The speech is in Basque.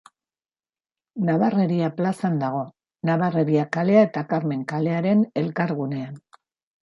Nabarreria plazan dago, Nabarreria kalea eta Karmen kalearen elkargunean.